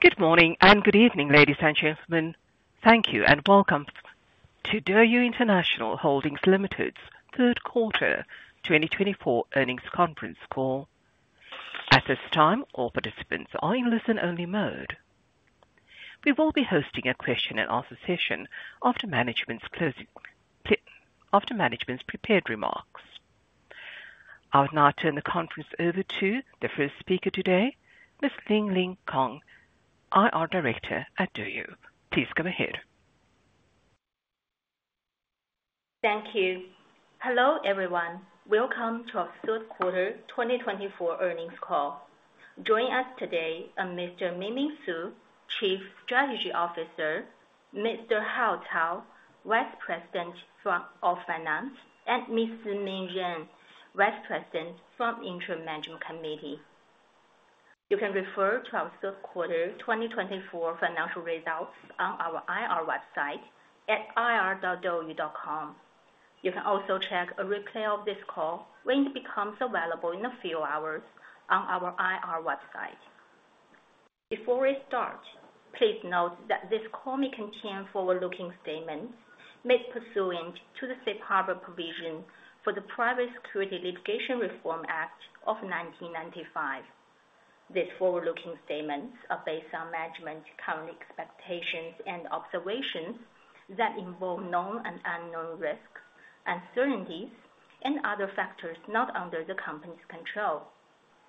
Good morning and good evening, ladies and gentlemen. Thank you and welcome to DouYu International Holdings Limited's Third Quarter 2024 Earnings Conference Call. At this time, all participants are in listen-only mode. We will be hosting a question-and-answer session after management's prepared remarks. I will now turn the conference over to the first speaker today, Ms. Lingling Kong, IR Director at DouYu. Please come ahead. Thank you. Hello, everyone. Welcome to our Third Quarter 2024 Earnings Call. Joining us today are Mr. Mingming Su, Chief Strategy Officer, Mr. Hao Cao, Vice President of Finance, and Ms. Simin Ren, Vice President from the Interim Management Committee. You can refer to our third quarter 2024 financial results on our IR website at ird.douyu.com. You can also check a replay of this call when it becomes available in a few hours on our IR website. Before we start, please note that this call may contain forward-looking statements made pursuant to the safe harbor provision for the Private Securities Litigation Reform Act of 1995. These forward-looking statements are based on management's current expectations and observations that involve known and unknown risks, uncertainties, and other factors not under the company's control,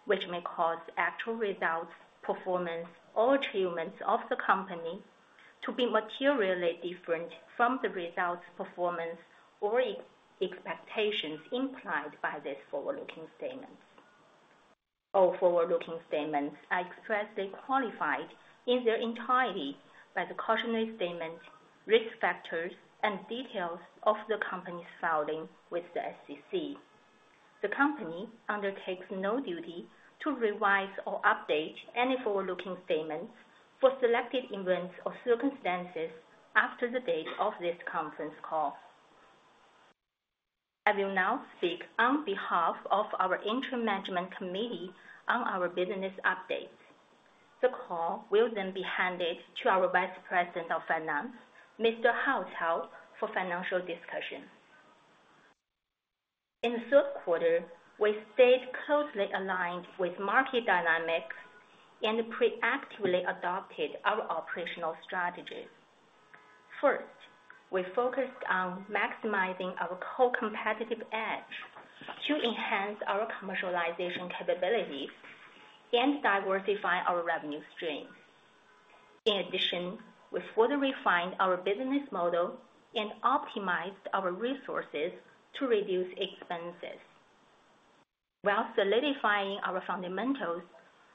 which may cause actual results, performance, or achievements of the company to be materially different from the results, performance, or expectations implied by these forward-looking statements. All forward-looking statements are expressly qualified in their entirety by the cautionary statement, risk factors, and details of the company's filing with the SEC. The company undertakes no duty to revise or update any forward-looking statements for selected events or circumstances after the date of this conference call. I will now speak on behalf of our Interim Management Committee on our business updates. The call will then be handed to our Vice President of Finance, Mr. Hao Cao, for financial discussion. In the third quarter, we stayed closely aligned with market dynamics and proactively adopted our operational strategy. First, we focused on maximizing our core competitive edge to enhance our commercialization capabilities and diversify our revenue streams. In addition, we further refined our business model and optimized our resources to reduce expenses. While solidifying our fundamentals,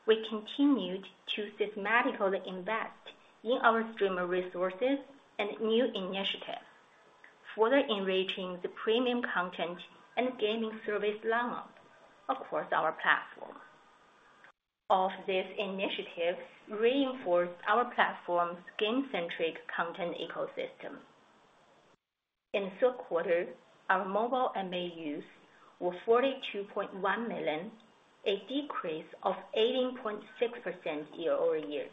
we continued to systematically invest in our streamer resources and new initiatives, further enriching the premium content and gaming service lineup across our platform. All of these initiatives reinforced our platform's game-centric content ecosystem. In the third quarter, our mobile MAUs were 42.1 million, a decrease of 18.6% year-over-year.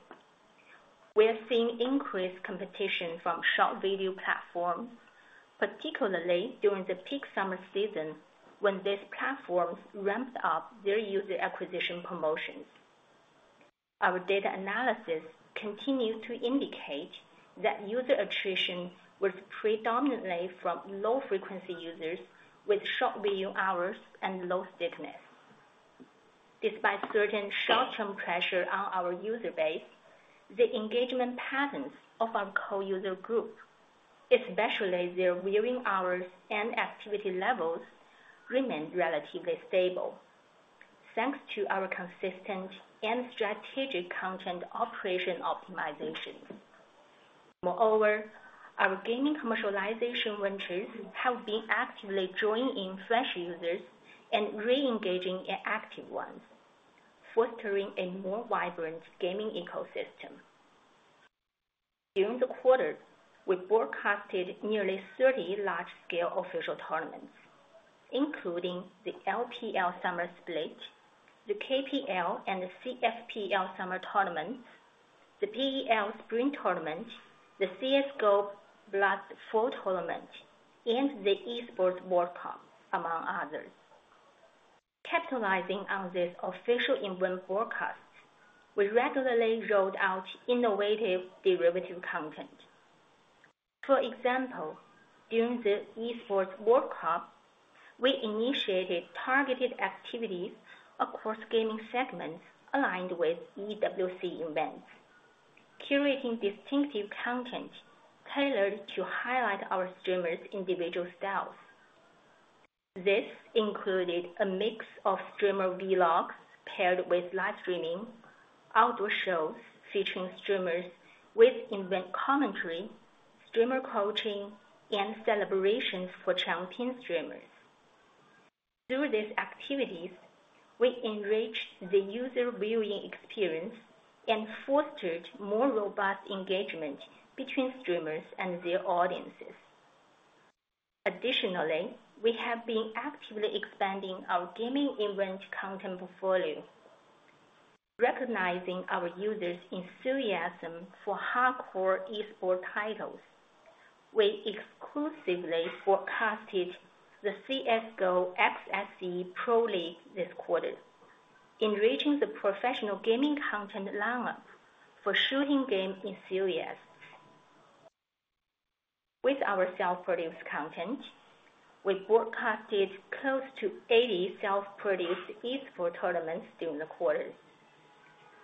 We have seen increased competition from short video platforms, particularly during the peak summer season when these platforms ramped up their user acquisition promotions. Our data analysis continues to indicate that user attrition was predominantly from low-frequency users with short video hours and low stickiness. Despite certain short-term pressure on our user base, the engagement patterns of our core user group, especially their viewing hours and activity levels, remained relatively stable, thanks to our consistent and strategic content operation optimization. Moreover, our gaming commercialization ventures have been actively drawing in fresh users and re-engaging active ones, fostering a more vibrant gaming ecosystem. During the quarter, we broadcasted nearly 30 large-scale official tournaments, including the LPL Summer Split, the KPL and CFPL Summer Tournaments, the PEL Spring Tournament, the CS:GO Blood Fall Tournament, and the Esports World Cup, among others. Capitalizing on these official event broadcasts, we regularly rolled out innovative derivative content. For example, during the Esports World Cup, we initiated targeted activities across gaming segments aligned with EWC events, curating distinctive content tailored to highlight our streamers' individual styles. This included a mix of streamer vlogs paired with live streaming, outdoor shows featuring streamers with event commentary, streamer coaching, and celebrations for champion streamers. Through these activities, we enriched the user viewing experience and fostered more robust engagement between streamers and their audiences. Additionally, we have been actively expanding our gaming event content portfolio. Recognizing our users' enthusiasm for hardcore Esports titles, we exclusively broadcasted the CS:GO ESL Pro League this quarter, enriching the professional gaming content lineup for shooting game enthusiasts. With our self-produced content, we broadcasted close to 80 self-produced Esports tournaments during the quarter.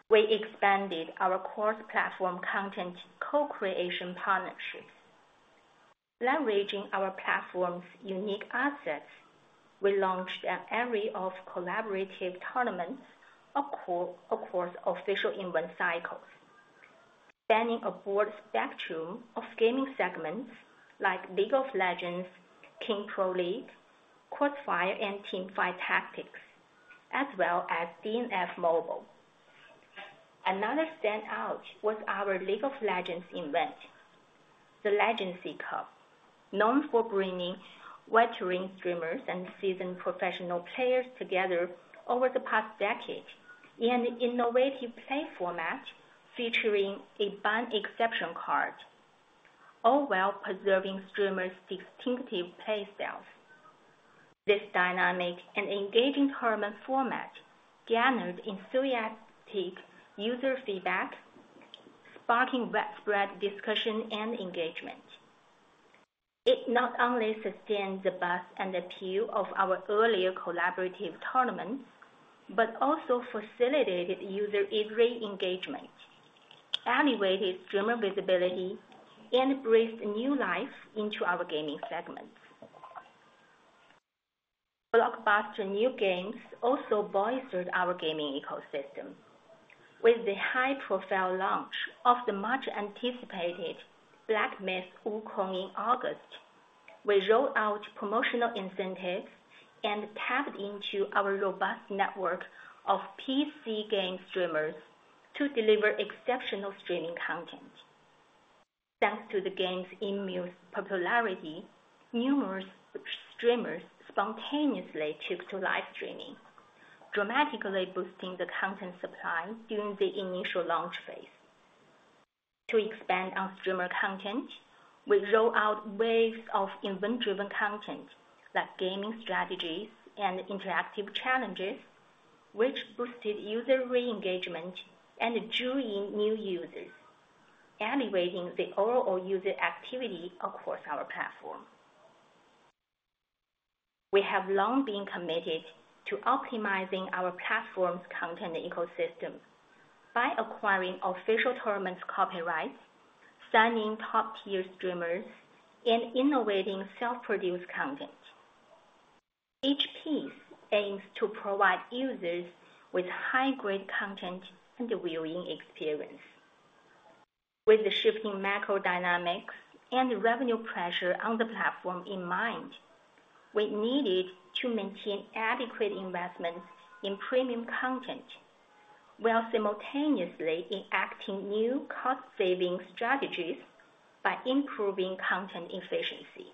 We expanded our cross-platform content co-creation partnerships. Leveraging our platform's unique assets, we launched an array of collaborative tournaments across official event cycles, spanning a broad spectrum of gaming segments like League of Legends, King Pro League, CrossFire, and Teamfight Tactics, as well as DNF Mobile. Another standout was our League of Legends event, the Legend Cup, known for bringing veteran streamers and seasoned professional players together over the past decade in an innovative play format featuring a ban exception card, all while preserving streamers' distinctive playstyles. This dynamic and engaging tournament format garnered enthusiastic user feedback, sparking widespread discussion and engagement. It not only sustained the buzz and appeal of our earlier collaborative tournaments but also facilitated user-heavy engagement, elevated streamer visibility, and breathed new life into our gaming segments. Blockbuster new games also bolstered our gaming ecosystem. With the high-profile launch of the much-anticipated Black Myth: Wukong in August, we rolled out promotional incentives and tapped into our robust network of PC game streamers to deliver exceptional streaming content. Thanks to the game's immense popularity, numerous streamers spontaneously took to live streaming, dramatically boosting the content supply during the initial launch phase. To expand on streamer content, we rolled out waves of event-driven content like gaming strategies and interactive challenges, which boosted user re-engagement and drew in new users, elevating the overall user activity across our platform. We have long been committed to optimizing our platform's content ecosystem by acquiring official tournaments' copyrights, signing top-tier streamers, and innovating self-produced content. Each piece aims to provide users with high-grade content and viewing experience. With the shifting macro dynamics and revenue pressure on the platform in mind, we needed to maintain adequate investments in premium content while simultaneously enacting new cost-saving strategies by improving content efficiency.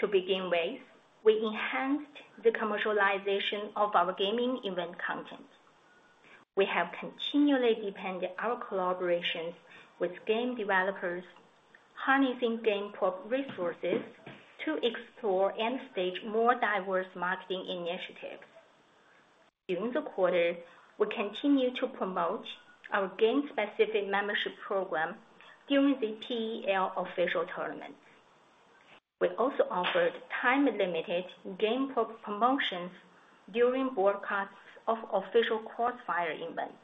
To begin with, we enhanced the commercialization of our gaming event content. We have continually deepened our collaborations with game developers, harnessing game prop resources to explore and stage more diverse marketing initiatives. During the quarter, we continued to promote our game-specific membership program during the PEL official tournament. We also offered time-limited game prop promotions during broadcasts of official CrossFire events.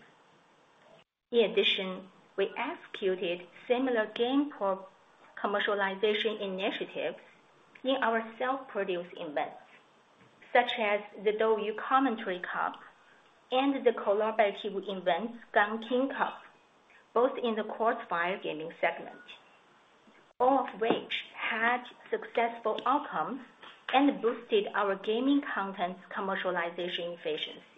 In addition, we executed similar game prop commercialization initiatives in our self-produced events, such as the DouYu Commentary Cup and the collaborative event Gun King Cup, both in the CrossFire gaming segment, all of which had successful outcomes and boosted our gaming content's commercialization efficiency.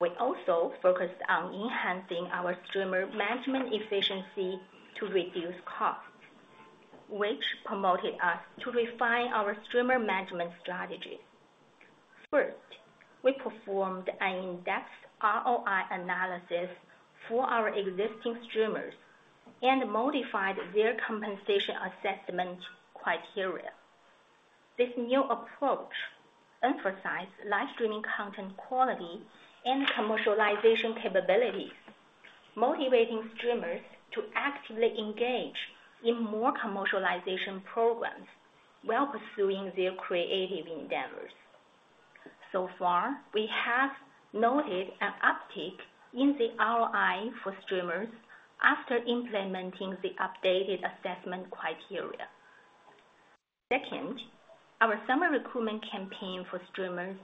We also focused on enhancing our streamer management efficiency to reduce costs, which prompted us to refine our streamer management strategies. First, we performed an in-depth ROI analysis for our existing streamers and modified their compensation assessment criteria. This new approach emphasized live streaming content quality and commercialization capabilities, motivating streamers to actively engage in more commercialization programs while pursuing their creative endeavors. So far, we have noted an uptick in the ROI for streamers after implementing the updated assessment criteria. Second, our summer recruitment campaign for streamers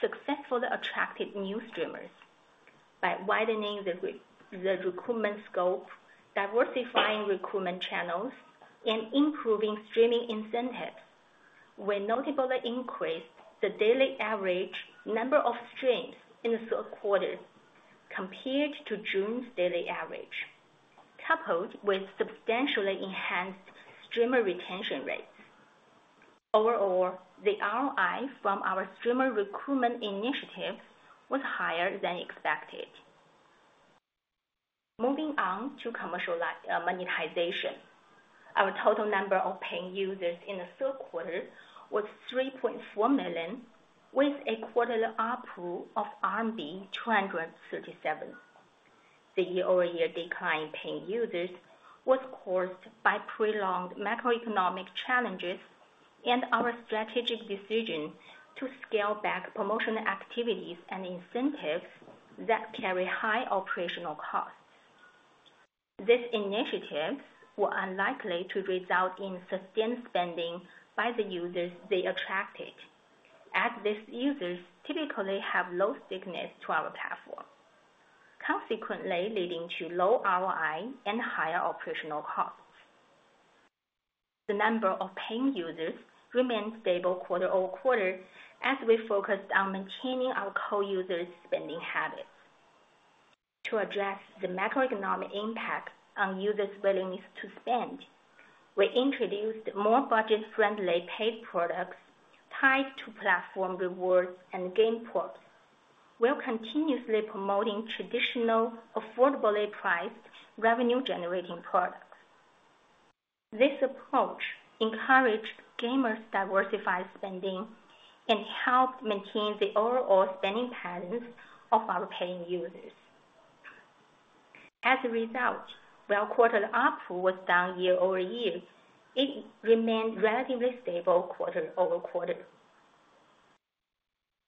successfully attracted new streamers. By widening the recruitment scope, diversifying recruitment channels, and improving streaming incentives, we notably increased the daily average number of streams in the third quarter compared to June's daily average, coupled with substantially enhanced streamer retention rates. Overall, the ROI from our streamer recruitment initiative was higher than expected. Moving on to commercial monetization, our total number of paying users in the third quarter was 3.4 million, with a quarterly RPU of RMB 237. The year-over-year decline in paying users was caused by prolonged macroeconomic challenges and our strategic decision to scale back promotional activities and incentives that carry high operational costs. These initiatives were unlikely to result in sustained spending by the users they attracted, as these users typically have low stickiness to our platform, consequently leading to low ROI and higher operational costs. The number of paying users remained stable quarter over quarter as we focused on maintaining our core users' spending habits. To address the macroeconomic impact on users' willingness to spend, we introduced more budget-friendly paid products tied to platform rewards and game props, while continuously promoting traditional, affordably priced, revenue-generating products. This approach encouraged gamers' diversified spending and helped maintain the overall spending patterns of our paying users. As a result, while quarterly RPU was down year-over-year, it remained relatively stable quarter over quarter.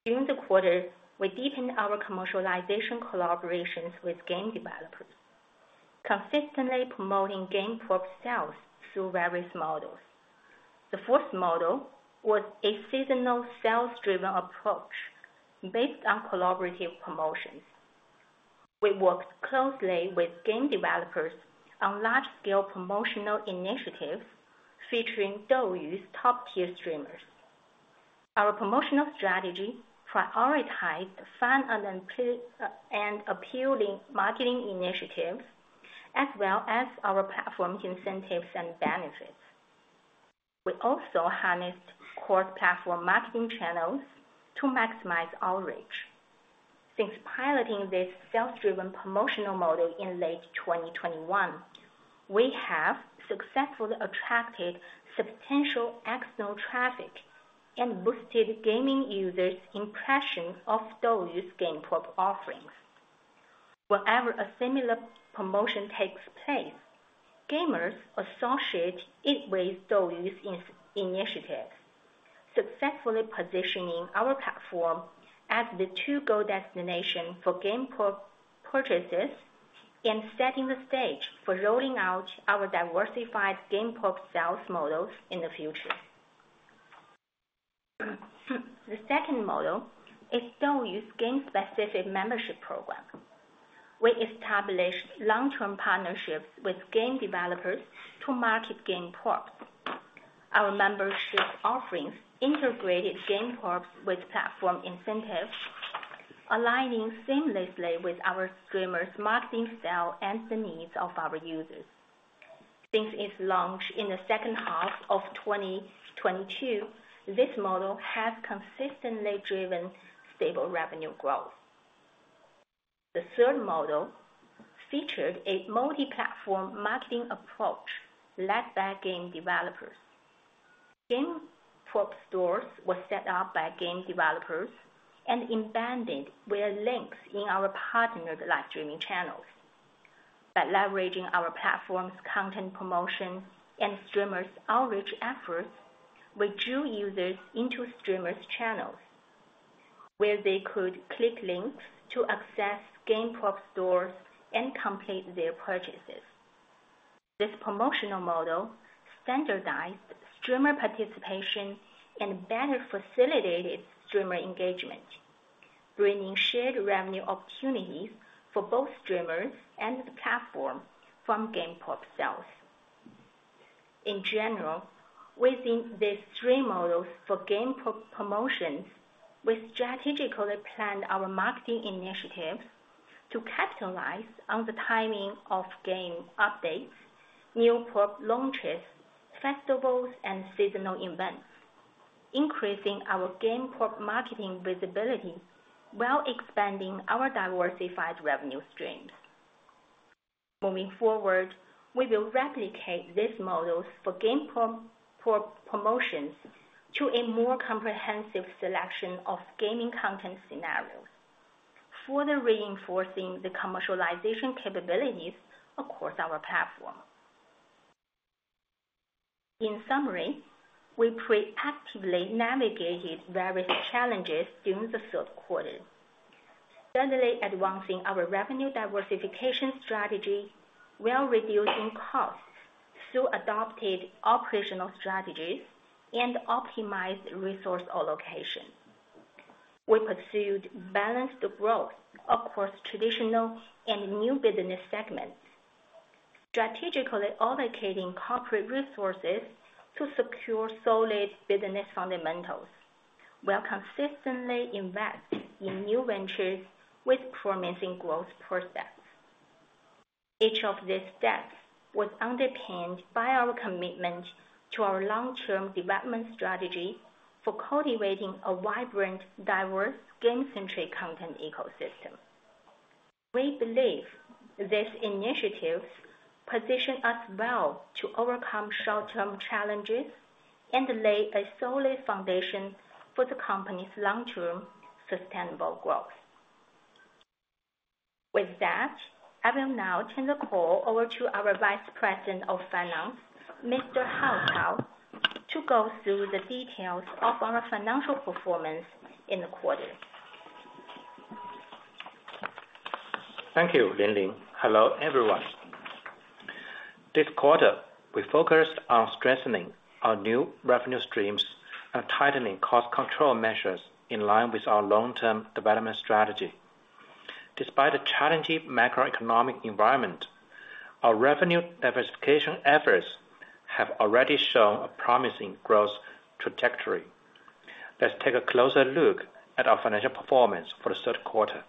During the quarter, we deepened our commercialization collaborations with game developers, consistently promoting game prop sales through various models. The fourth model was a seasonal sales-driven approach based on collaborative promotions. We worked closely with game developers on large-scale promotional initiatives featuring DouYu's top-tier streamers. Our promotional strategy prioritized fun and appealing marketing initiatives, as well as our platform's incentives and benefits. We also harnessed cross-platform marketing channels to maximize our reach. Since piloting this sales-driven promotional model in late 2021, we have successfully attracted substantial external traffic and boosted gaming users' impression of DouYu's game prop offerings. Whenever a similar promotion takes place, gamers associate it with DouYu's initiatives, successfully positioning our platform as the go-to destination for game prop purchases and setting the stage for rolling out our diversified game prop sales models in the future. The second model is DouYu's game-specific membership program. We established long-term partnerships with game developers to market game props. Our membership offerings integrated game props with platform incentives, aligning seamlessly with our streamers' marketing style and the needs of our users. Since its launch in the second half of 2022, this model has consistently driven stable revenue growth. The third model featured a multi-platform marketing approach led by game developers. Game prop stores were set up by game developers and embedded with links in our partnered live streaming channels. By leveraging our platform's content promotion and streamers' outreach efforts, we drew users into streamers' channels, where they could click links to access game prop stores and complete their purchases. This promotional model standardized streamer participation and better facilitated streamer engagement, bringing shared revenue opportunities for both streamers and the platform from game prop sales. In general, within these three models for game prop promotions, we strategically planned our marketing initiatives to capitalize on the timing of game updates, new prop launches, festivals, and seasonal events, increasing our game prop marketing visibility while expanding our diversified revenue streams. Moving forward, we will replicate these models for game prop promotions to a more comprehensive selection of gaming content scenarios, further reinforcing the commercialization capabilities across our platform. In summary, we proactively navigated various challenges during the third quarter, steadily advancing our revenue diversification strategy while reducing costs through adopted operational strategies and optimized resource allocation. We pursued balanced growth across traditional and new business segments, strategically allocating corporate resources to secure solid business fundamentals while consistently investing in new ventures with promising growth prospects. Each of these steps was underpinned by our commitment to our long-term development strategy for cultivating a vibrant, diverse, game-centric content ecosystem. We believe these initiatives position us well to overcome short-term challenges and lay a solid foundation for the company's long-term, sustainable growth. With that, I will now turn the call over to our Vice President of Finance, Mr. Hao Cao, to go through the details of our financial performance in the quarter. Thank you, Lingling. Hello, everyone. This quarter, we focused on strengthening our new revenue streams and tightening cost control measures in line with our long-term development strategy. Despite the challenging macroeconomic environment, our revenue diversification efforts have already shown a promising growth trajectory. Let's take a closer look at our financial performance for the third quarter.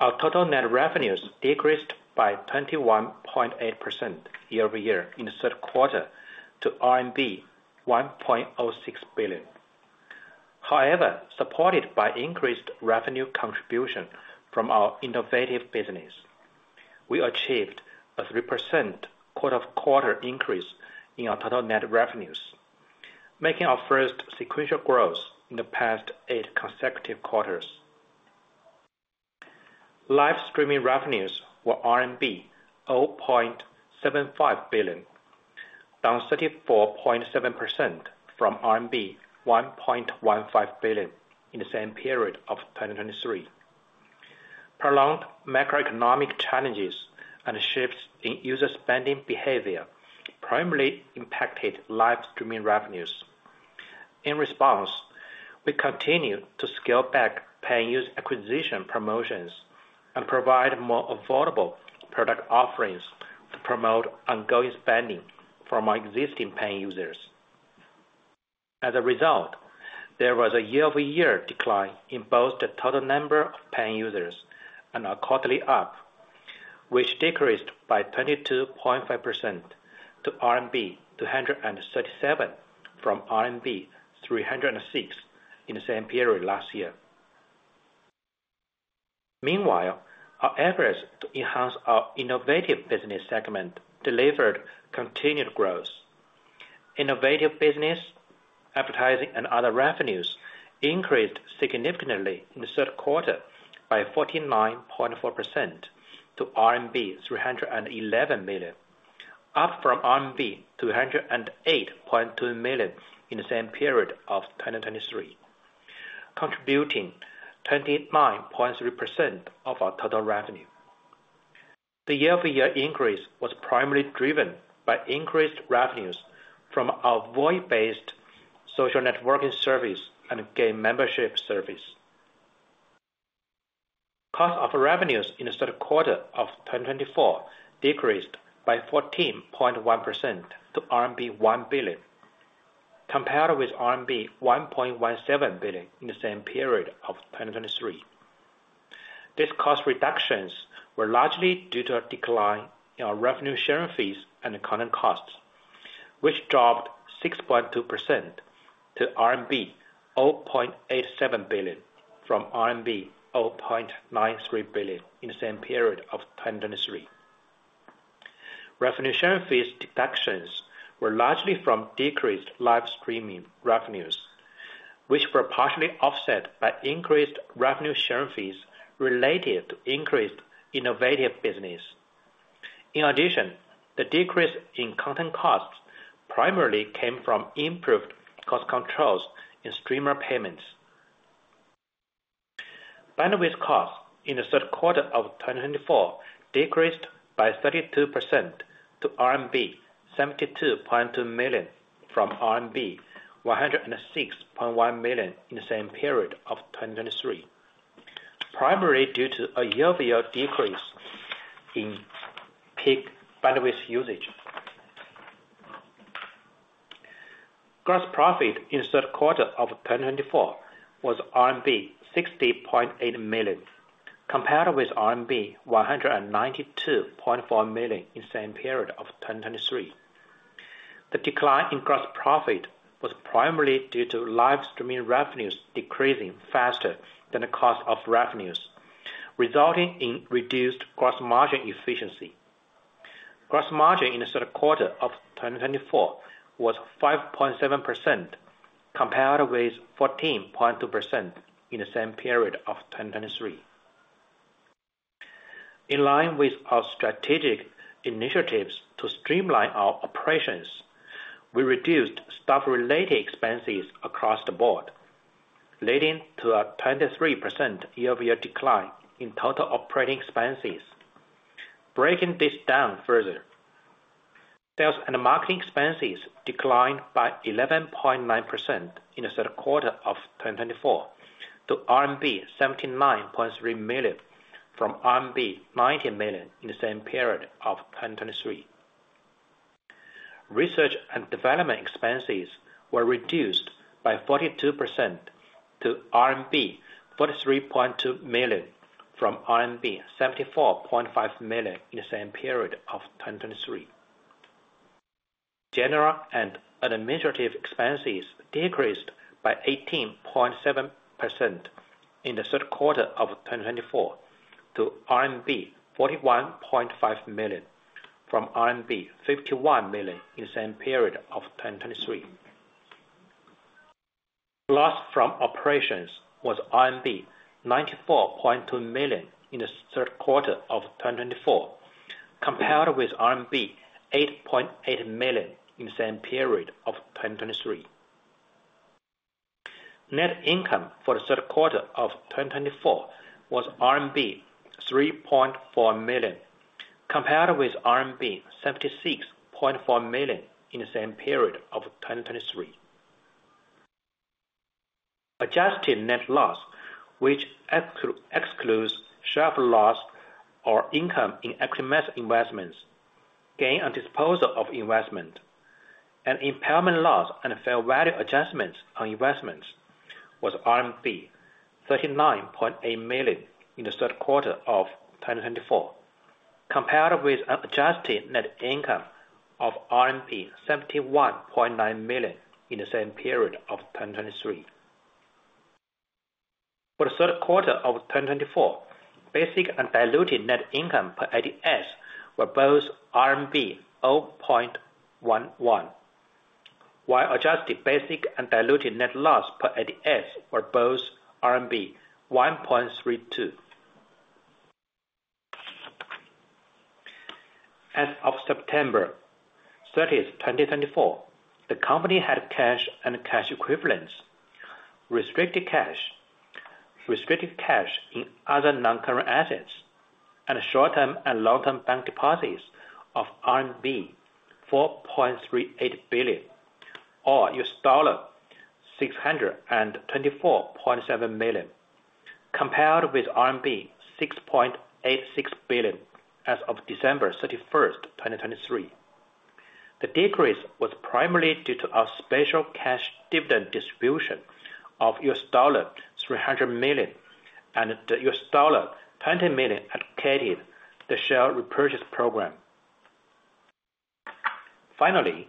Our total net revenues decreased by 21.8% year-over-year in the third quarter to RMB 1.06 billion. However, supported by increased revenue contribution from our innovative business, we achieved a 3% quarter-over-quarter increase in our total net revenues, making our first sequential growth in the past eight consecutive quarters. Live streaming revenues were RMB 0.75 billion, down 34.7% from RMB 1.15 billion in the same period of 2023. Prolonged macroeconomic challenges and shifts in user spending behavior primarily impacted live streaming revenues. In response, we continued to scale back paying user acquisition promotions and provide more affordable product offerings to promote ongoing spending from our existing paying users. As a result, there was a year-over-year decline in both the total number of paying users and our quarterly RPU, which decreased by 22.5% to RMB 237 from RMB 306 in the same period last year. Meanwhile, our efforts to enhance our innovative business segment delivered continued growth. Innovative business, advertising, and other revenues increased significantly in the third quarter by 49.4% to RMB 311 million, up from RMB 308.2 million in the same period of 2023, contributing 29.3% of our total revenue. The year-over-year increase was primarily driven by increased revenues from our voice-based social networking service and game membership service. Cost of revenues in the third quarter of 2024 decreased by 14.1% to RMB 1 billion, compared with RMB 1.17 billion in the same period of 2023. These cost reductions were largely due to a decline in our revenue sharing fees and accounting costs, which dropped 6.2% to RMB 0.87 billion from RMB 0.93 billion in the same period of 2023. Revenue sharing fees deductions were largely from decreased live streaming revenues, which were partially offset by increased revenue sharing fees related to increased innovative business. In addition, the decrease in content costs primarily came from improved cost controls in streamer payments. Bandwidth costs in the third quarter of 2024 decreased by 32% to RMB 72.2 million from RMB 106.1 million in the same period of 2023, primarily due to a year-over-year decrease in peak bandwidth usage. Gross profit in the third quarter of 2024 was RMB 60.8 million, compared with RMB 192.4 million in the same period of 2023. The decline in gross profit was primarily due to live streaming revenues decreasing faster than the cost of revenues, resulting in reduced gross margin efficiency. Gross margin in the third quarter of 2024 was 5.7%, compared with 14.2% in the same period of 2023. In line with our strategic initiatives to streamline our operations, we reduced staff-related expenses across the board, leading to a 23% year-over-year decline in total operating expenses. Breaking this down further, sales and marketing expenses declined by 11.9% in the third quarter of 2024 to RMB 79.3 million from RMB 90 million in the same period of 2023. Research and development expenses were reduced by 42% to RMB 43.2 million from RMB 74.5 million in the same period of 2023. General and administrative expenses decreased by 18.7% in the third quarter of 2024 to RMB 41.5 million from RMB 51 million in the same period of 2023. Loss from operations was RMB 94.2 million in the third quarter of 2024, compared with RMB 8.8 million in the same period of 2023. Net income for the third quarter of 2024 was RMB 3.4 million, compared with RMB 76.4 million in the same period of 2023. Adjusted net loss, which excludes share of loss or income in equity investments, gain on disposal of investment, and impairment loss and fair value adjustments on investments, was RMB 39.8 million in the third quarter of 2024, compared with an adjusted net income of RMB 71.9 million in the same period of 2023. For the third quarter of 2024, basic and diluted net income per ADS were both RMB 0.11, while adjusted basic and diluted net loss per ADS were both RMB 1.32. As of September 30, 2024, the company had cash and cash equivalents, restricted cash, restricted cash in other non-current assets, and short-term and long-term bank deposits of RMB 4.38 billion, or $624.7 million, compared with RMB 6.86 billion as of December 31, 2023. The decrease was primarily due to our special cash dividend distribution of $300 million and the $20 million allocated to the share repurchase program. Finally,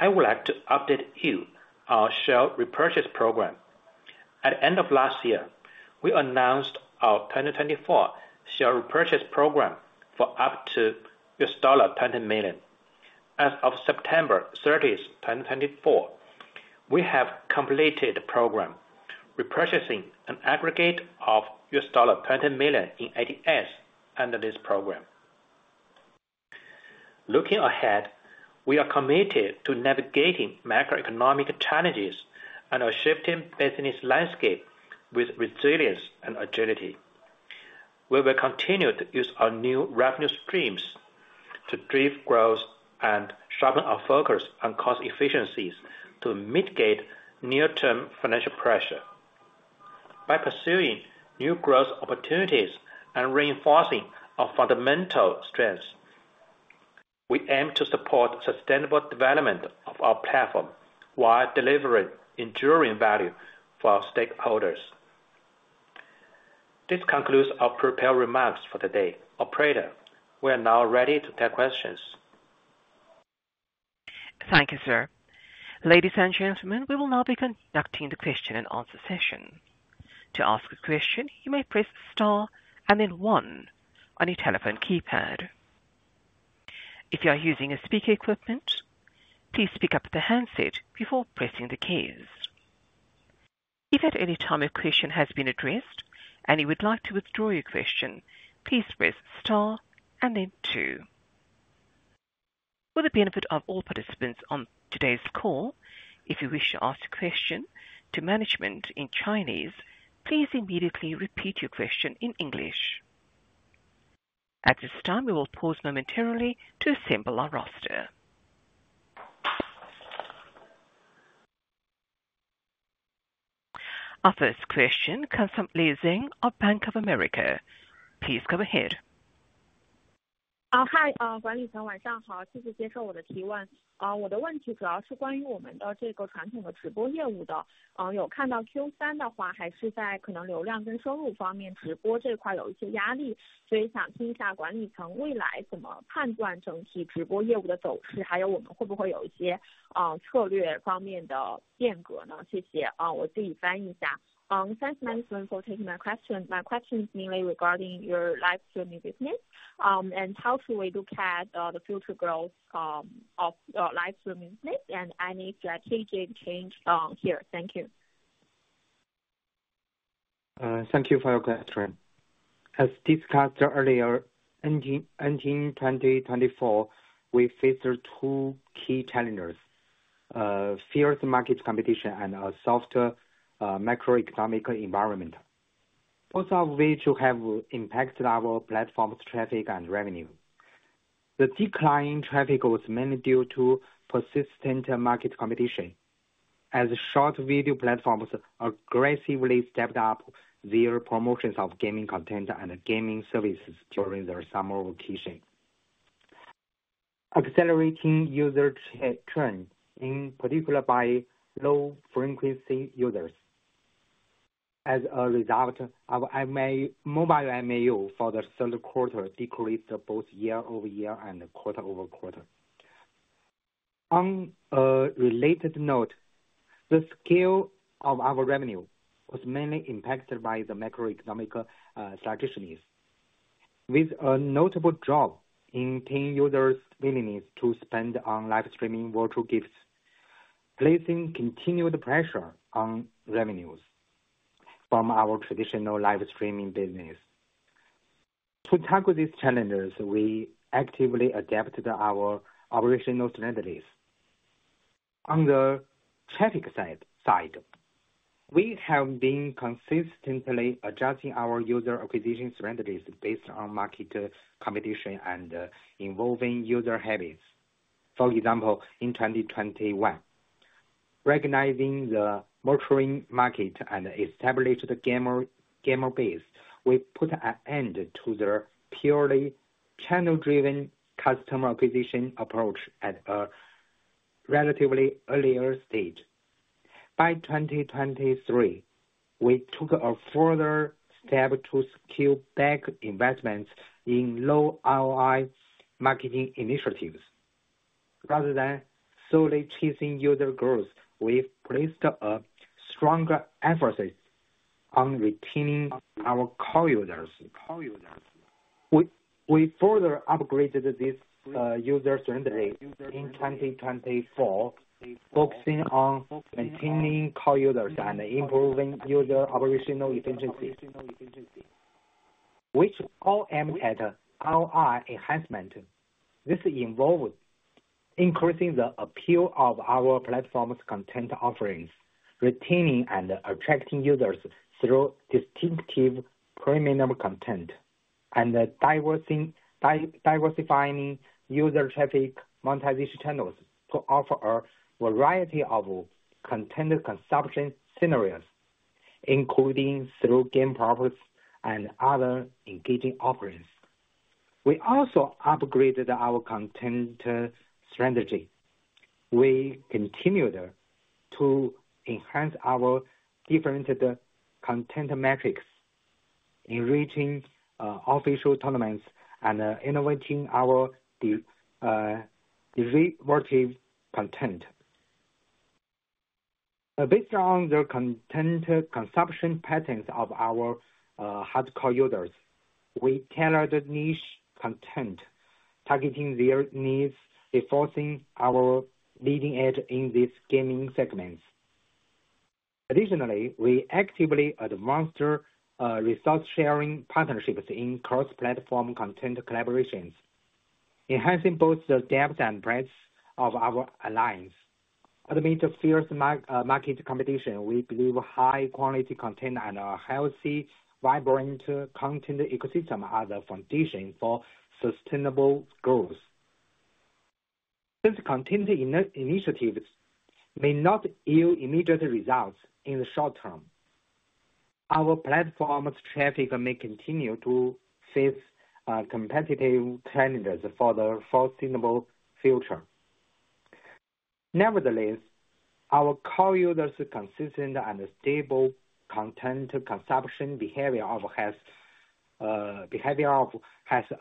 I would like to update you on our share repurchase program. At the end of last year, we announced our 2024 share repurchase program for up to $20 million. As of September 30, 2024, we have completed the program, repurchasing an aggregate of $20 million in ADS under this program. Looking ahead, we are committed to navigating macroeconomic challenges and our shifting business landscape with resilience and agility. We will continue to use our new revenue streams to drive growth and sharpen our focus on cost efficiencies to mitigate near-term financial pressure. By pursuing new growth opportunities and reinforcing our fundamental strengths, we aim to support sustainable development of our platform while delivering enduring value for our stakeholders. This concludes our prepared remarks for today. Operator, we are now ready to take questions. Thank you, sir. Ladies and gentlemen, we will now be conducting the question and answer session. To ask a question, you may press star and then one on your telephone keypad. If you are using a speaker equipment, please pick up the handset before pressing the keys. If at any time a question has been addressed and you would like to withdraw your question, please press star and then two. For the benefit of all participants on today's call, if you wish to ask a question to management in Chinese, please immediately repeat your question in English. At this time, we will pause momentarily to assemble our roster. Our first question comes from Lei Zhang of Bank of America. Please go ahead. Hi, 管理层, 晚上好。谢谢接受我的提问。我的问题主要是关于我们的传统的直播业务的。有看到Q3的话，还是在可能流量跟收入方面直播这块有一些压力，所以想听一下管理层未来怎么判断整体直播业务的走势，还有我们会不会有一些策略方面的变革呢？谢谢。我自己翻译一下. Thanks, management, for taking my question. My question is mainly regarding your live streaming business and how should we look at the future growth of live streaming business and any strategic change here? Thank you. Thank you for your question. As discussed earlier, in 2024, we faced two key challenges: fierce market competition and a softer macroeconomic environment, both of which have impacted our platform's traffic and revenue. The decline in traffic was mainly due to persistent market competition, as short video platforms aggressively stepped up their promotions of gaming content and gaming services during their summer vacation, accelerating user churn, in particular by low-frequency users. As a result, our mobile MAU for the third quarter decreased both year-over-year and quarter-over-quarter. On a related note, the scale of our revenue was mainly impacted by the macroeconomic stagnation, with a notable drop in team users' willingness to spend on live streaming virtual gifts, placing continued pressure on revenues from our traditional live streaming business. To tackle these challenges, we actively adapted our operational strategies. On the traffic side, we have been consistently adjusting our user acquisition strategies based on market competition and evolving user habits. For example, in 2021, recognizing the maturing market and established gamer base, we put an end to the purely channel-driven customer acquisition approach at a relatively earlier stage. By 2023, we took a further step to scale back investments in low-ROI marketing initiatives. Rather than solely chasing user growth, we placed stronger emphasis on retaining our core users. We further upgraded this user strategy in 2024, focusing on maintaining core users and improving user operational efficiency, which all aimed at ROI enhancement. This involved increasing the appeal of our platform's content offerings, retaining and attracting users through distinctive premium content, and diversifying user traffic monetization channels to offer a variety of content consumption scenarios, including through game props and other engaging offerings. We also upgraded our content strategy. We continued to enhance our differentiated content metrics, enriching official tournaments and innovating our derivative content. Based on the content consumption patterns of our hardcore users, we tailored niche content, targeting their needs, enforcing our leading edge in these gaming segments. Additionally, we actively advanced resource-sharing partnerships in cross-platform content collaborations, enhancing both the depth and breadth of our alliance. Amid fierce market competition, we believe high-quality content and a healthy, vibrant content ecosystem are the foundation for sustainable growth. These content initiatives may not yield immediate results in the short term. Our platform's traffic may continue to face competitive challenges for the foreseeable future. Nevertheless, our core users' consistent and stable content consumption behavior has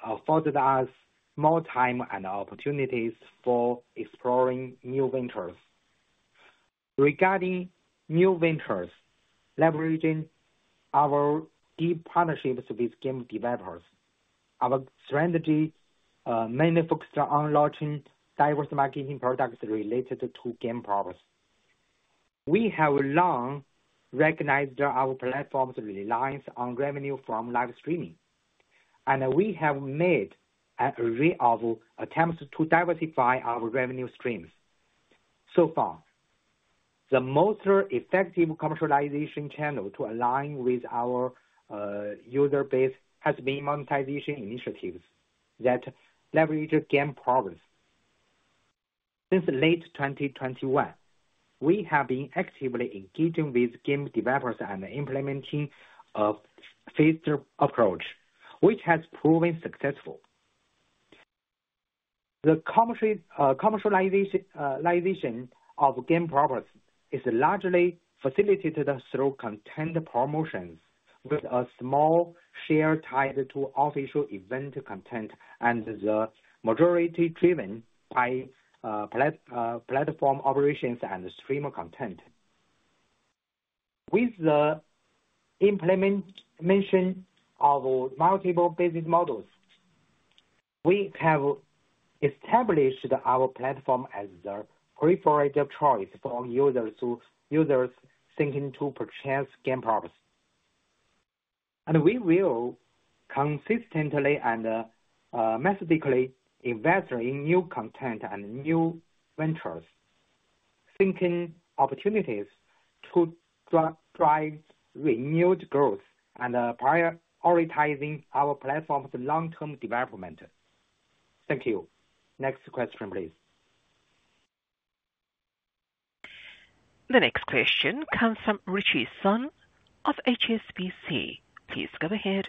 afforded us more time and opportunities for exploring new ventures. Regarding new ventures, leveraging our deep partnerships with game developers, our strategy mainly focused on launching diverse marketing products related to game props. We have long recognized our platform's reliance on revenue from live streaming, and we have made an array of attempts to diversify our revenue streams. So far, the most effective commercialization channel to align with our user base has been monetization initiatives that leverage game props. Since late 2021, we have been actively engaging with game developers and implementing a phased approach, which has proven successful. The commercialization of game props is largely facilitated through content promotions, with a small share tied to official event content and the majority driven by platform operations and streamer content. With the implementation of multiple business models, we have established our platform as the preferred choice for users seeking to purchase game props, and we will consistently and methodically invest in new content and new ventures, seeking opportunities to drive renewed growth and prioritizing our platform's long-term development. Thank you. Next question, please. The next question comes from Ritchie Sun of HSBC. Please go ahead.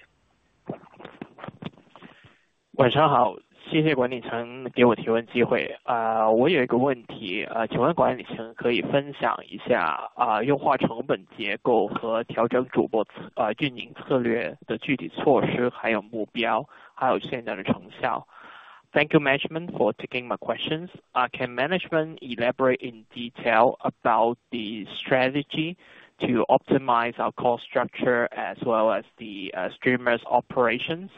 晚上好，谢谢管理层给我提问机会。我有一个问题，请问管理层可以分享一下优化成本结构和调整主播运营策略的具体措施，还有目标，还有现在的成效。Thank you, management, for taking my questions. Can management elaborate in detail about the strategy to optimize our cost structure as well as the streamer's operations,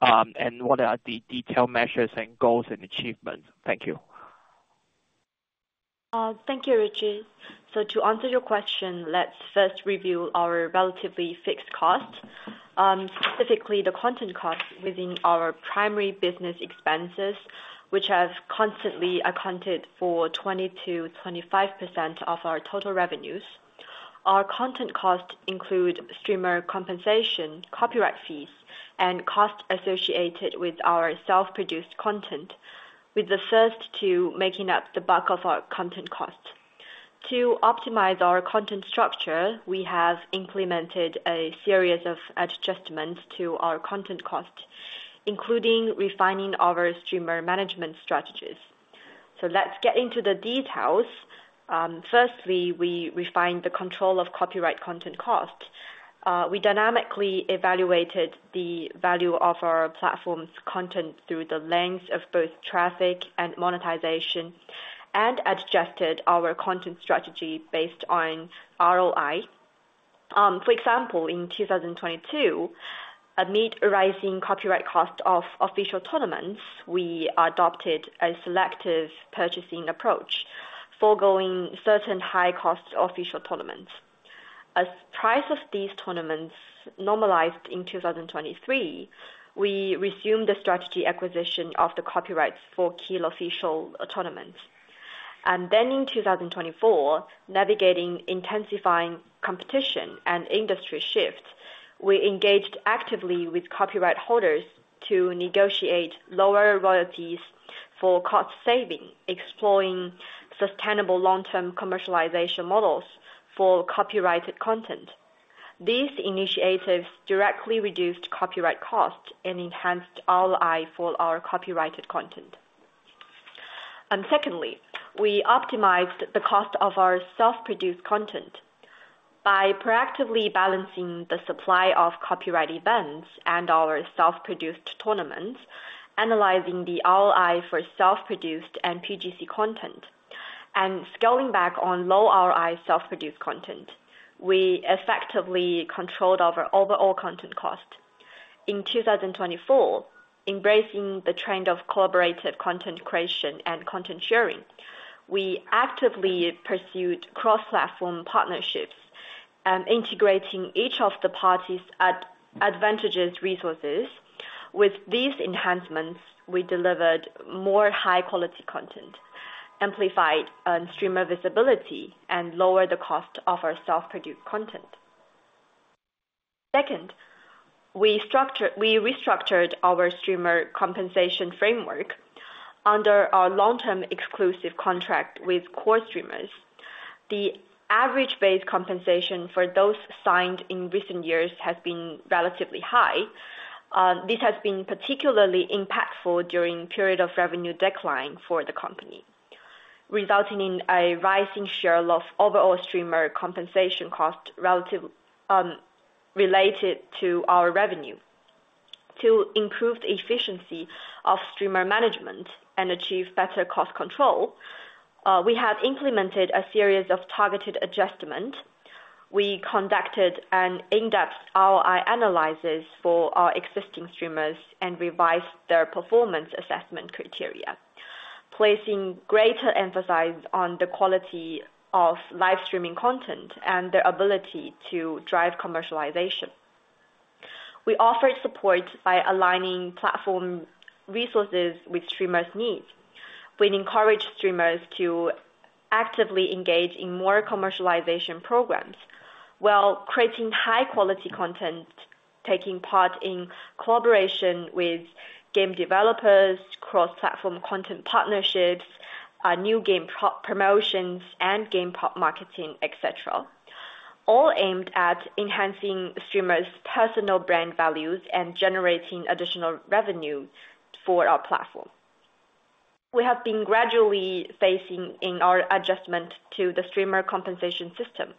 and what are the detailed measures and goals and achievements? Thank you. Thank you, Ritchie. So to answer your question, let's first review our relatively fixed costs, specifically the content costs within our primary business expenses, which have constantly accounted for 20%-25% of our total revenues. Our content costs include streamer compensation, copyright fees, and costs associated with our self-produced content, with the first two making up the bulk of our content costs. To optimize our content structure, we have implemented a series of adjustments to our content costs, including refining our streamer management strategies. So let's get into the details. Firstly, we refined the control of copyright content costs. We dynamically evaluated the value of our platform's content through the length of both traffic and monetization and adjusted our content strategy based on ROI. For example, in 2022, amid rising copyright costs of official tournaments, we adopted a selective purchasing approach forgoing certain high-cost official tournaments. As the price of these tournaments normalized in 2023, we resumed the strategic acquisition of the copyrights for key official tournaments. And then in 2024, navigating intensifying competition and industry shifts, we engaged actively with copyright holders to negotiate lower royalties for cost saving, exploring sustainable long-term commercialization models for copyrighted content. These initiatives directly reduced copyright costs and enhanced ROI for our copyrighted content. Secondly, we optimized the cost of our self-produced content by proactively balancing the supply of copyright events and our self-produced tournaments, analyzing the ROI for self-produced and PGC content, and scaling back on low-ROI self-produced content. We effectively controlled our overall content cost. In 2024, embracing the trend of collaborative content creation and content sharing, we actively pursued cross-platform partnerships and integrating each of the parties' advantageous resources. With these enhancements, we delivered more high-quality content, amplified streamer visibility, and lowered the cost of our self-produced content. Second, we restructured our streamer compensation framework under our long-term exclusive contract with core streamers. The average base compensation for those signed in recent years has been relatively high. This has been particularly impactful during a period of revenue decline for the company, resulting in a rising share of overall streamer compensation costs related to our revenue. To improve the efficiency of streamer management and achieve better cost control, we have implemented a series of targeted adjustments. We conducted in-depth ROI analyses for our existing streamers and revised their performance assessment criteria, placing greater emphasis on the quality of live streaming content and their ability to drive commercialization. We offered support by aligning platform resources with streamers' needs. We encouraged streamers to actively engage in more commercialization programs while creating high-quality content, taking part in collaboration with game developers, cross-platform content partnerships, new game promotions, and game marketing, etc., all aimed at enhancing streamers' personal brand values and generating additional revenue for our platform. We have been gradually phasing in our adjustment to the streamer compensation system,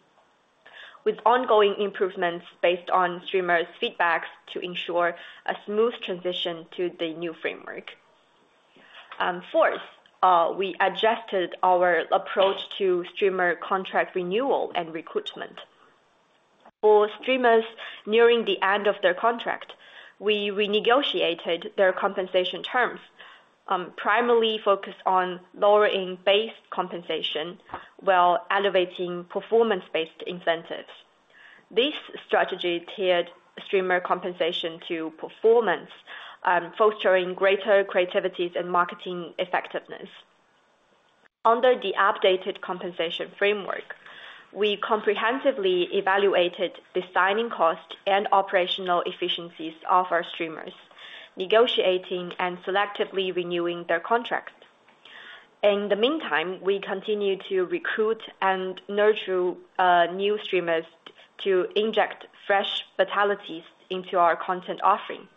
with ongoing improvements based on streamers' feedback to ensure a smooth transition to the new framework. Fourth, we adjusted our approach to streamer contract renewal and recruitment. For streamers nearing the end of their contract, we renegotiated their compensation terms, primarily focused on lowering base compensation while elevating performance-based incentives. This strategy tiered streamer compensation to performance, fostering greater creativities and marketing effectiveness. Under the updated compensation framework, we comprehensively evaluated the signing costs and operational efficiencies of our streamers, negotiating and selectively renewing their contracts. In the meantime, we continue to recruit and nurture new streamers to inject fresh vitalities into our content offering.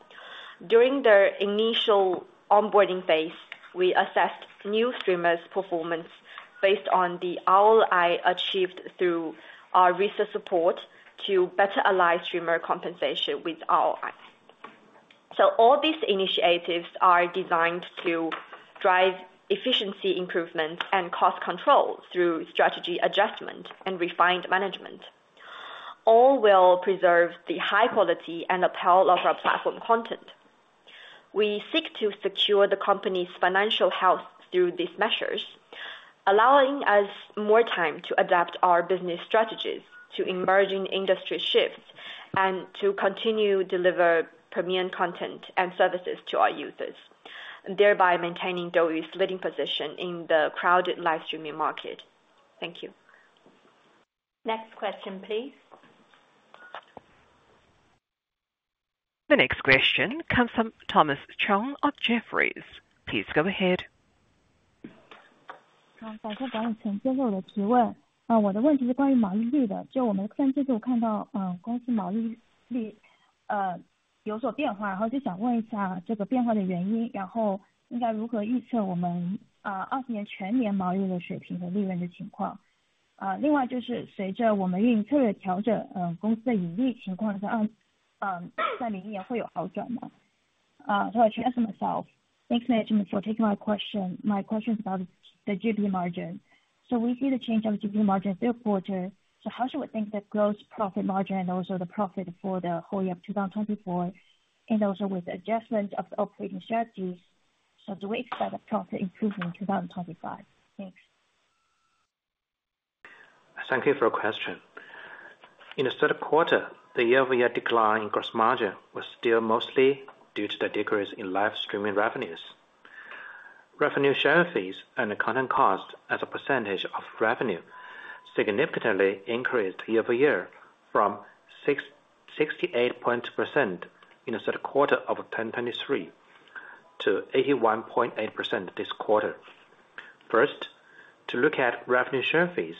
During the initial onboarding phase, we assessed new streamers' performance based on the ROI achieved through our research support to better align streamer compensation with ROI. So all these initiatives are designed to drive efficiency improvements and cost control through strategy adjustment and refined management, all while preserving the high quality and appeal of our platform content. We seek to secure the company's financial health through these measures, allowing us more time to adapt our business strategies to emerging industry shifts and to continue to deliver premium content and services to our users, thereby maintaining DouYu's leading position in the crowded live streaming market. Thank you. Next question, please. The next question comes from Thomas Chong of Jefferies. Please go ahead. 好，感谢白影城先生我的提问。我的问题是关于毛利率的。就我们的第三季度看到，公司毛利率有所变化，然后就想问一下这个变化的原因，然后应该如何预测我们2024年全年毛利率的水平和利润的情况。另外就是随着我们运营策略的调整，公司的盈利情况在明年会有好转吗？ So, to ask my question, thanks, management for taking my question. My question is about the GP margin. So we see the change of GP margin in the third quarter. So how should we think the gross profit margin and also the profit for the whole year of 2024, and also with the adjustment of the operating strategies? So do we expect the profit improvement in 2025? Thanks. Thank you for the question. In the third quarter, the year-over-year decline in gross margin was still mostly due to the decrease in live streaming revenues. Revenue share fees and content costs as a percentage of revenue significantly increased year-over-year from 68.2% in the third quarter of 2023 to 81.8% this quarter. First, to look at revenue share fees,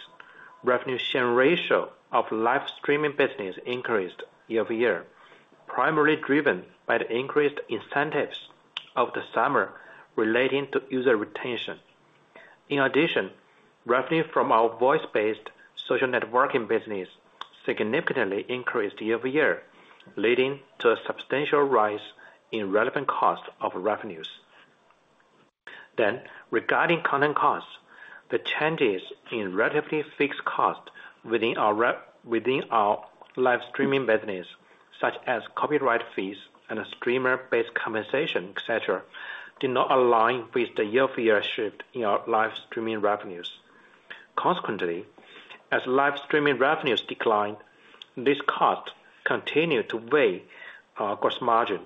revenue share ratio of live streaming business increased year-over-year, primarily driven by the increased incentives of the summer relating to user retention. In addition, revenue from our voice-based social networking business significantly increased year-over-year, leading to a substantial rise in relevant costs of revenues. Then, regarding content costs, the changes in relatively fixed costs within our live streaming business, such as copyright fees and streamer-based compensation, etc., did not align with the year-over-year shift in our live streaming revenues. Consequently, as live streaming revenues declined, these costs continued to weigh our gross margin.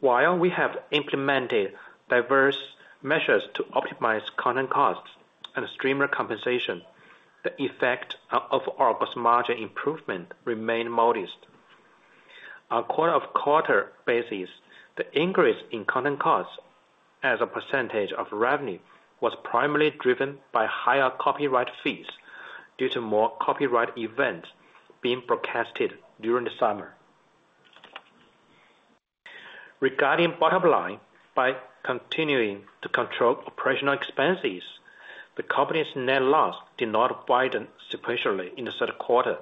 While we have implemented diverse measures to optimize content costs and streamer compensation, the effect of our gross margin improvement remained modest. On a quarter-over-quarter basis, the increase in content costs as a percentage of revenue was primarily driven by higher copyright fees due to more copyright events being broadcasted during the summer. Regarding bottom line, by continuing to control operational expenses, the company's net loss did not widen sequentially in the third quarter,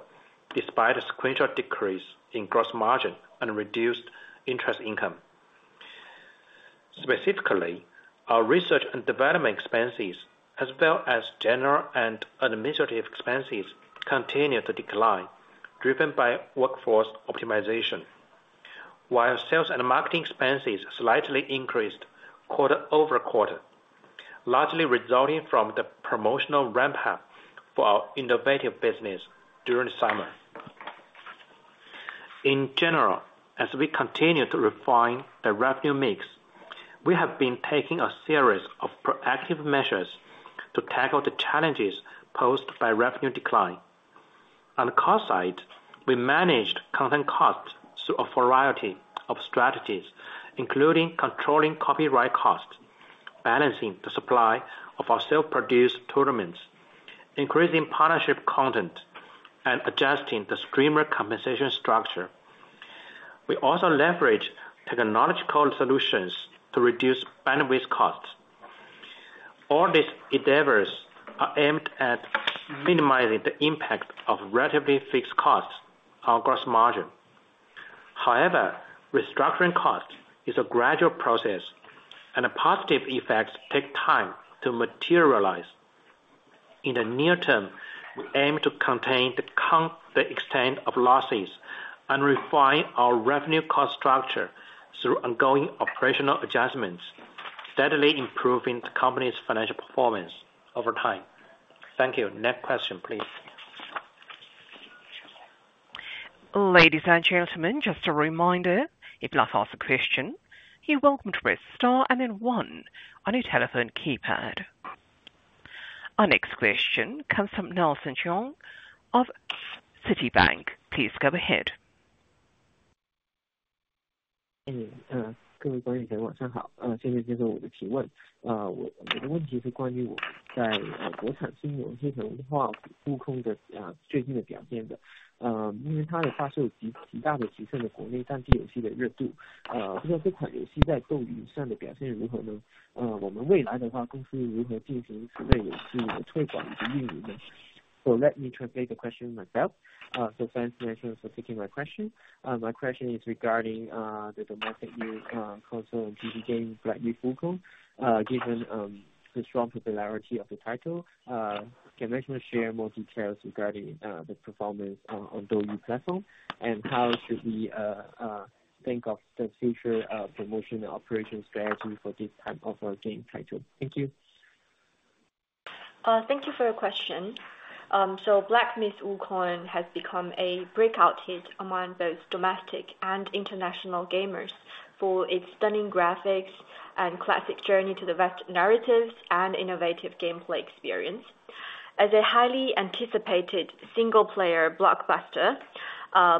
despite a sequential decrease in gross margin and reduced interest income. Specifically, our research and development expenses, as well as general and administrative expenses, continued to decline, driven by workforce optimization, while sales and marketing expenses slightly increased quarter-over-quarter, largely resulting from the promotional ramp-up for our innovative business during the summer. In general, as we continue to refine the revenue mix, we have been taking a series of proactive measures to tackle the challenges posed by revenue decline. On the cost side, we managed content costs through a variety of strategies, including controlling copyright costs, balancing the supply of our self-produced tournaments, increasing partnership content, and adjusting the streamer compensation structure. We also leveraged technological solutions to reduce bandwidth costs. All these endeavors are aimed at minimizing the impact of relatively fixed costs on gross margin. However, restructuring costs is a gradual process, and the positive effects take time to materialize. In the near term, we aim to contain the extent of losses and refine our revenue cost structure through ongoing operational adjustments, steadily improving the company's financial performance over time. Thank you. Next question, please. Ladies and gentlemen, just a reminder, if you'd like to ask a question, you're welcome to press star and then one on your telephone keypad. Our next question comes from Nelson Cheung of Citi. Please go ahead. So let me translate the question myself. So thanks Mingming Su for taking my question. My question is regarding the domestic new console and TV game Black Myth: Wukong. Given the strong popularity of the title, can Mingming Su share more details regarding the performance on DouYu platform, and how should we think of the future promotion and operation strategy for this type of a game title? Thank you. Thank you for your question. So Black Myth: Wukong has become a breakout hit among both domestic and international gamers for its stunning graphics and classic journey to the vast narratives and innovative gameplay experience. As a highly anticipated single-player blockbuster,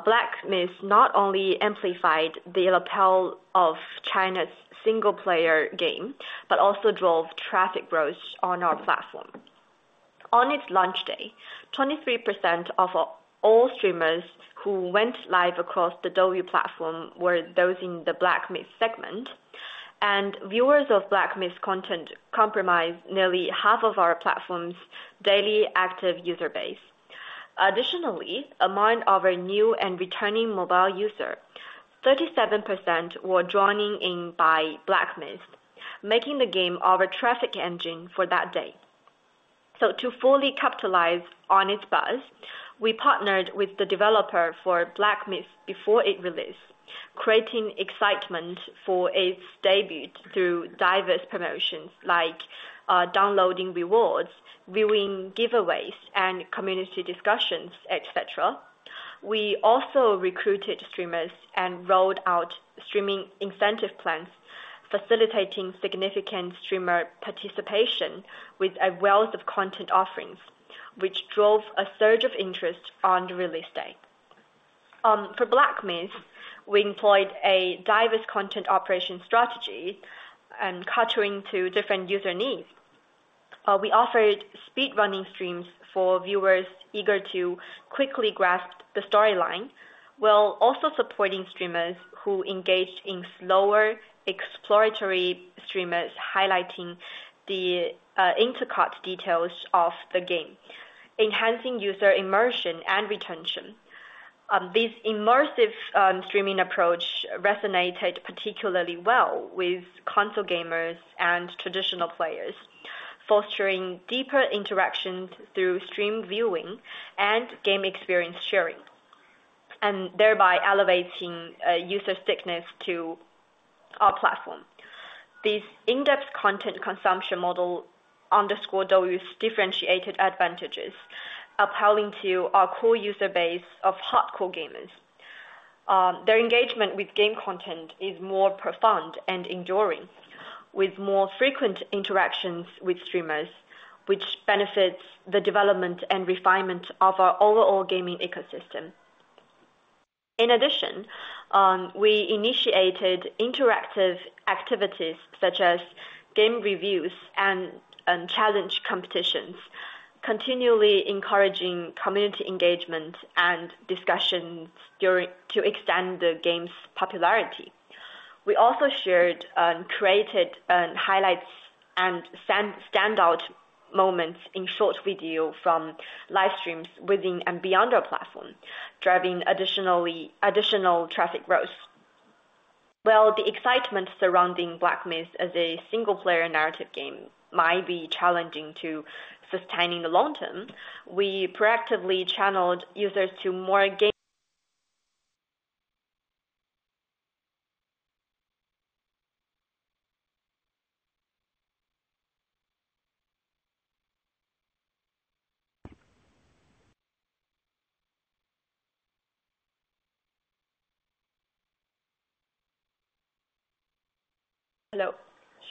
Black Myth not only amplified the appeal of China's single-player game, but also drove traffic growth on our platform. On its launch day, 23% of all streamers who went live across the DouYu platform were those in the Black Myth segment, and viewers of Black Myth's content comprised nearly half of our platform's daily active user base. Additionally, among our new and returning mobile users, 37% were drawn in by Black Myth, making the game our traffic engine for that day. So to fully capitalize on its buzz, we partnered with the developer for Black Myth before it released, creating excitement for its debut through diverse promotions like downloading rewards, viewing giveaways, and community discussions, etc. We also recruited streamers and rolled out streaming incentive plans, facilitating significant streamer participation with a wealth of content offerings, which drove a surge of interest on the release day. For Black Myth, we employed a diverse content operation strategy and catering to different user needs. We offered speedrunning streams for viewers eager to quickly grasp the storyline, while also supporting streamers who engaged in slower exploratory streams, highlighting the intricate details of the game, enhancing user immersion and retention. This immersive streaming approach resonated particularly well with console gamers and traditional players, fostering deeper interactions through stream viewing and game experience sharing, and thereby elevating user stickiness to our platform. This in-depth content consumption model underscored DouYu's differentiated advantages, appealing to our core user base of hardcore gamers. Their engagement with game content is more profound and enduring, with more frequent interactions with streamers, which benefits the development and refinement of our overall gaming ecosystem. In addition, we initiated interactive activities such as game reviews and challenge competitions, continually encouraging community engagement and discussions to extend the game's popularity. We also shared and created highlights and standout moments in short video from live streams within and beyond our platform, driving additional traffic growth. While the excitement surrounding Black Myth as a single-player narrative game might be challenging to sustain in the long term, we proactively channeled users to more games. Hello.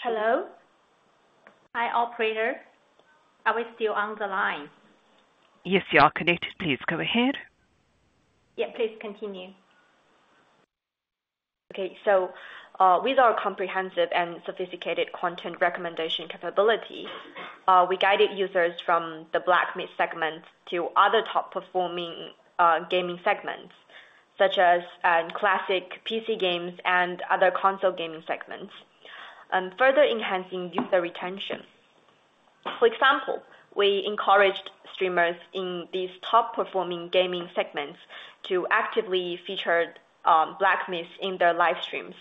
Hello. Hi operator. Are we still on the line? Yes, you are connected. Please go ahead. Yeah, please continue. Okay. So with our comprehensive and sophisticated content recommendation capability, we guided users from the Black Myth segment to other top-performing gaming segments, such as classic PC games and other console gaming segments, further enhancing user retention. For example, we encouraged streamers in these top-performing gaming segments to actively feature Black Myth in their live streams,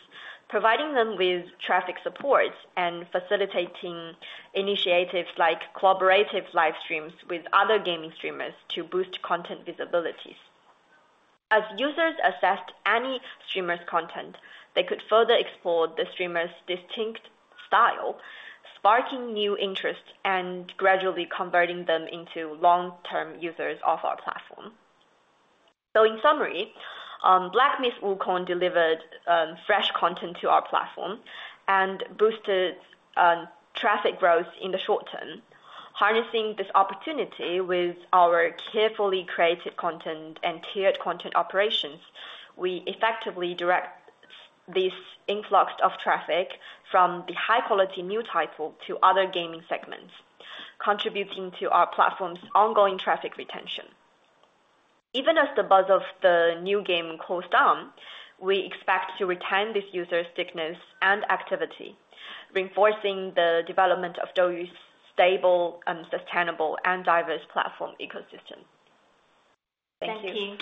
providing them with traffic support and facilitating initiatives like collaborative live streams with other gaming streamers to boost content visibility. As users assessed any streamer's content, they could further explore the streamer's distinct style, sparking new interest and gradually converting them into long-term users of our platform. So in summary, Black Myth: Wukong delivered fresh content to our platform and boosted traffic growth in the short term. Harnessing this opportunity with our carefully created content and tiered content operations, we effectively directed this influx of traffic from the high-quality new title to other gaming segments, contributing to our platform's ongoing traffic retention. Even as the buzz of the new game cools down, we expect to retain this user stickiness and activity, reinforcing the development of DouYu's stable, sustainable, and diverse platform ecosystem. Thank you. Thank you.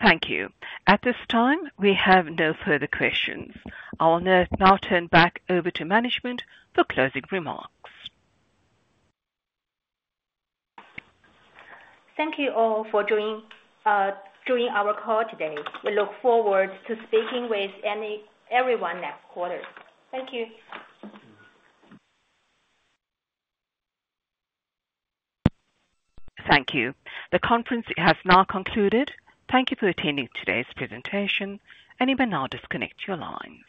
Thank you. At this time, we have no further questions. I'll now turn back over to Mingming Su for closing remarks. Thank you all for joining our call today. We look forward to speaking with everyone next quarter. Thank you. Thank you. The conference has now concluded. Thank you for attending today's presentation, and you may now disconnect your lines.